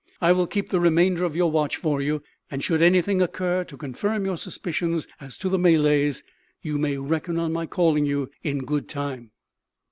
I will keep the remainder of your watch for you; and should anything occur to confirm your suspicions as to the Malays, you may reckon on my calling you in good time."